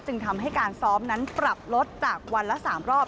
จึงทำให้การซ้อมนั้นปรับลดจากวันละ๓รอบ